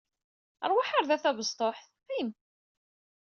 Rwaḥ ɣer da a tabestuḥt, qim!